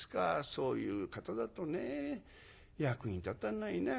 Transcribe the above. そういう方だとね役に立たないな。